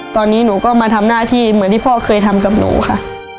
ตอนนี้หนูก็มาทำหน้าที่เหมือนที่พ่อเคยทำกับหนูค่ะ